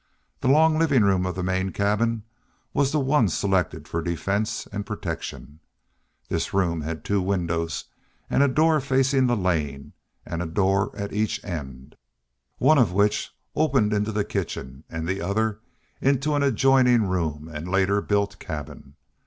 The long living room of the main cabin was the one selected for defense and protection. This room had two windows and a door facing the lane, and a door at each end, one of which opened into the kitchen and the other into an adjoining and later built cabin.